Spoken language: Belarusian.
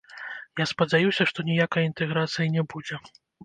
Я спадзяюся, што ніякай інтэграцыі не будзе.